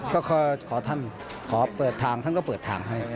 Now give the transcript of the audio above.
ก็ขอท่านขอเปิดทางท่านก็เปิดทางให้